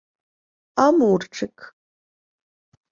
амурчик